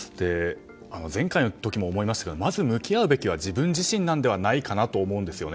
前回の時も思いましたけどまず向き合うべきは自分自身じゃないかなと思うんですよね。